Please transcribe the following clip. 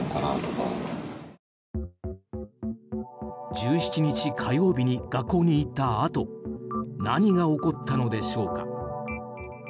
１７日火曜日に学校に行ったあと何が起こったのでしょうか。